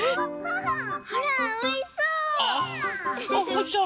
ほらおいしそう！